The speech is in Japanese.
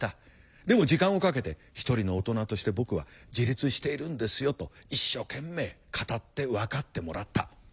でも時間をかけて「一人の大人として僕は自立しているんですよ」と一生懸命語って分かってもらった。